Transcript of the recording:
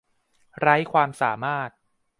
ไร้ความสามารถ